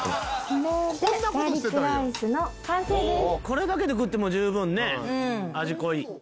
これだけで食っても十分ね味濃い。